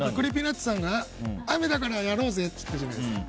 ＣｒｅｅｐｙＮｕｔｓさんが雨だからやろうぜって言ったじゃないですか。